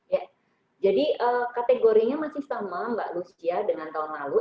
ya jadi kategorinya masih sama mbak lucia dengan tahun lalu